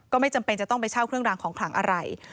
ไม่จำเป็นจะต้องไปเช่าเครื่องรางของขลังอะไร